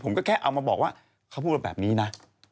ผมก็แค่เอามาบอกว่าเขาพูดมาแบบนี้นะ